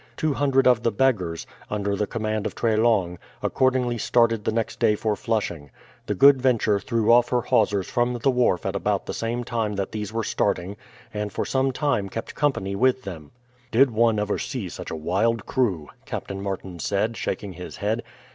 Two hundred of the beggars, under the command of Treslong, accordingly started the next day for Flushing. The Good Venture threw off her hawsers from the wharf at about the same time that these were starting, and for some time kept company with them. "Did one ever see such a wild crew?" Captain Martin said, shaking his head.